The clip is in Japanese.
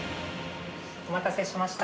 お待たせしました。